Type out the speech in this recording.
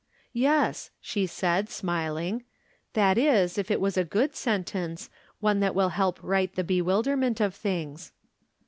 "" Yes," she said, smiling. " That is if it was a good sentence, one that will help right the be wilderment of things."